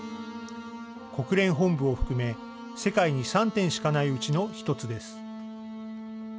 国連本部を含め世界に３点しかないうちの１つです。